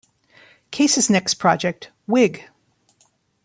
Case's next project, Wig!